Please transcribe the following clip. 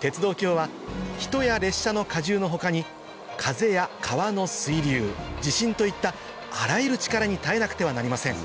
鉄道橋は人や列車の荷重の他に風や川の水流地震といったあらゆる力に耐えなくてはなりません